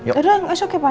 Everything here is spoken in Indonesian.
yaudah it's okay pak